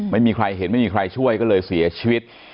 ไม่มีใครเห็นไม่มีใครช่วยก็เลยเสียชีวิต